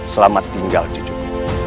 selamat tinggal duduk